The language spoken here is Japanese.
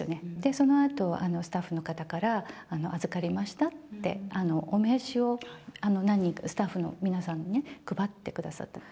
そのあと、スタッフの方から、預かりましたって、お名刺を、スタッフの皆さんにね、配ってくださって。